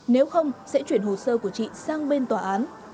nếu không sẽ chuyển hồ sơ của chị sang bên tòa án